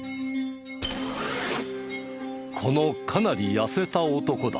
このかなり痩せた男だ。